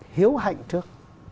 hiếu hạnh trước